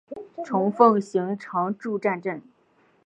虫奉行常住战阵！